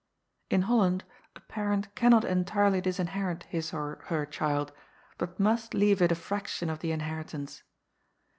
In Holland a parent cannot entirely disinherit his or her child, but must leave it a fraction of the inherit ance.